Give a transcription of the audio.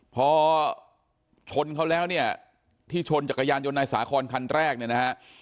พอชนเขาแล้วเนี่ยที่ชนจักรยานยนต์นายสาคอนคันแรกเนี่ยนะฮะ